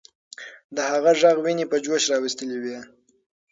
د هغې ږغ ويني په جوش راوستلې وې.